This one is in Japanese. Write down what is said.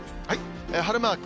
晴れマーク。